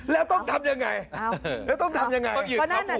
แล้วต้องทำยังไง